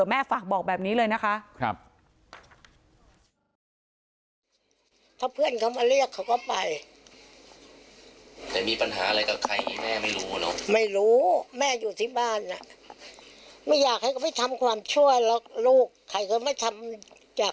ไม่อยากให้ก็ไปทำความช่วยหรอกลูกใครคือไม่ทำอยาก